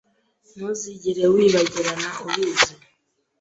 Ntuzigere wibagirana ubizi